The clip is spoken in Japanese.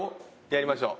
やりましょう。